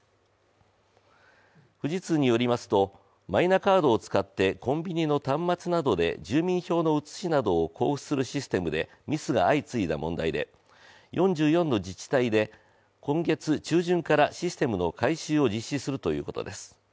富士通によりますとマイナカードを使ってコンビニの端末などで住民票の写しなどを交付するシステムでミスが相次いだ問題で４４の自治体で今月中旬からシステムの改修を実施するということです。